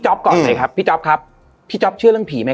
ก่อนเลยครับพี่จ๊อปครับพี่จ๊อปเชื่อเรื่องผีไหม